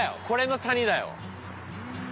これの谷だよ。